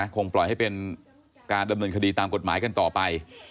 คงปล่อยให้เป็นการดำเนินคดีตามกฎหมายกันต่อไป